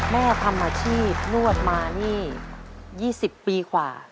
แม่ทำอาชีพนวดมานี่๒๐ปีกว่า